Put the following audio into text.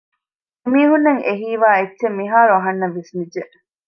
އެމީހުންނަށް އެ ހީވާ އެއްޗެއް މިހާރު އަހަންނަށް ވިސްނިއްޖެ